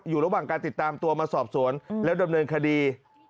อยู่ระหว่างการติดตามตัวมาสอบสวนแล้วดำเนินคดี